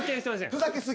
ふざけ過ぎ。